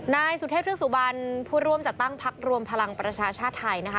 นายสุเทพเทือกสุบันผู้ร่วมจัดตั้งพักรวมพลังประชาชาติไทยนะคะ